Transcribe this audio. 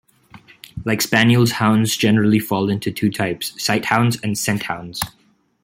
Like spaniels, hounds generally fall into two types: Sighthounds and scenthounds.